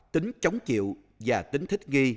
tính chống chịu và tính thích nghi